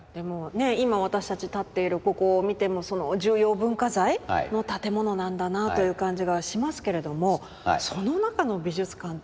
今私たち立っているここを見てもその重要文化財？の建物なんだなという感じがしますけれどもその中の美術館って。